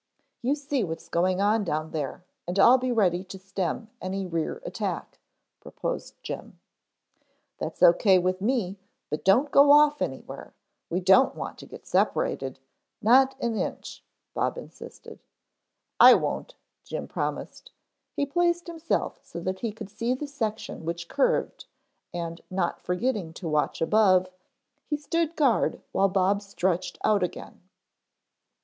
You see what's going on down there and I'll be ready to stem any rear attack," proposed Jim. "That's O.K. with me, but don't go off anywhere, we don't want to get separated, not an inch," Bob insisted. "I won't," Jim promised. He placed himself so that he could see the section which curved and not forgetting to watch above, he stood guard while Bob stretched out again.